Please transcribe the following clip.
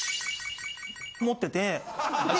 持ってて。